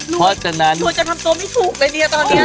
ตัวจะทำตรงไม่ถูกเลยเนี่ยตอนนี้